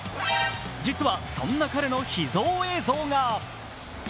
実は、そんな彼の秘蔵映像が！